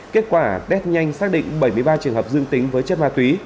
kết quả test nhanh xác định bảy mươi ba trường hợp dương tính với chất ma túy